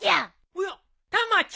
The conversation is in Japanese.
おやたまちゃん。